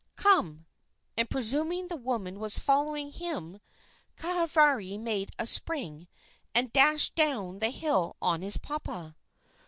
Come!" And, presuming the woman was following him, Kahavari made a spring and dashed down the hill on his papa.